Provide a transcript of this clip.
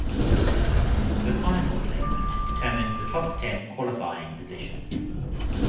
The final segment determines the top ten qualifying positions.